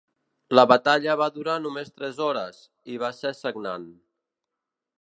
La batalla va durar només tres hores, i va ser sagnant.